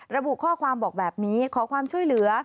ระบุข้อความบอกแบบนี้ขอความช่วยเหลือ